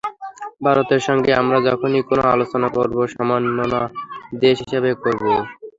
ভারতের সঙ্গে আমরা যখনই কোনো আলোচনা করব, সমমনা দেশ হিসেবে করব।